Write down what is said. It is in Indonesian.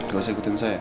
gak usah ikutin saya